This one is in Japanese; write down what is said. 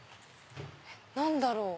何だろう？